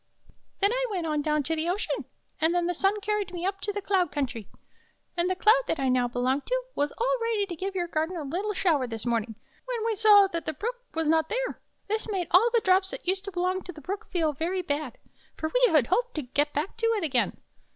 " Then I went on down to the ocean, and then the sun carried me up to the cloud country. And the cloud that I now belong to was all ready to give your garden a little 41 THE BROOK IN THE KING'S GARDEN shower this morning, when we saw that the Brook was not there. This made all the drops that used to belong to the Brook feel very bad, for we hoped to get back to it again.